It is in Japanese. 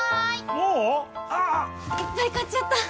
もう⁉ああ・・・いっぱい買っちゃった！